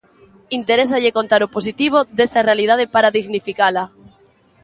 Interésalle contar o positivo desa realidade para dignificala.